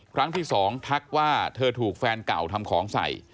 ครั้งที่สองทักว่าเธอถูกแฟนเก่าทำของใส่